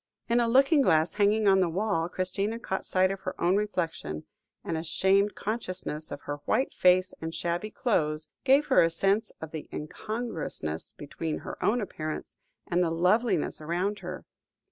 In a looking glass hanging on the wall, Christina caught sight of her own reflection, and a shamed consciousness of her white face and shabby clothes, gave her a sense of the incongruousness between her own appearance, and the loveliness around her.